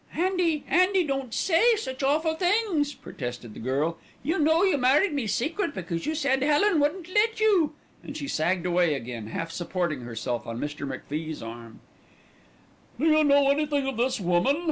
"Andy, Andy! don't say such awful things," protested the girl. "You know you married me secret because you said Helen wouldn't let you;" and she sagged away again, half supporting herself on Mr. MacFie's arm. "Do you know anything of this woman?"